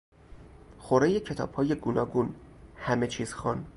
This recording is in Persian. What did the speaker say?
خورهی کتابهای گوناگون، همه چیز خوان